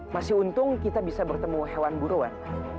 masih untung kita bisa bertemu hewan buruan